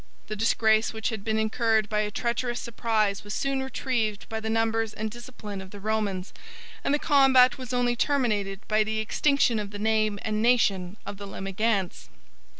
The disgrace which had been incurred by a treacherous surprise was soon retrieved by the numbers and discipline of the Romans; and the combat was only terminated by the extinction of the name and nation of the Limigantes.